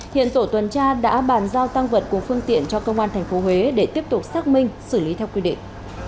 hiện tổ tuần tra đã bàn giao tăng vật của phương tiện cho công an tp huế để tiếp tục xác minh xử lý theo quy định